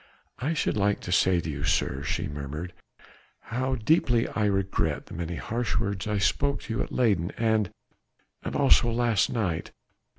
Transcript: "I should like to say to you, sir," she murmured, "how deeply I regret the many harsh words I spoke to you at Leyden and ... and also last night